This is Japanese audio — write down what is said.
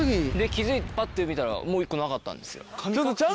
気付いてぱって見たらもう１個なかったんですよ。